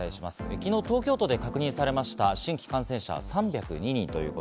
昨日、東京都で確認された新規感染者は３０２人です。